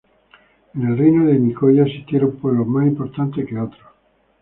En el Reino de Nicoya existieron pueblos más importantes que otros.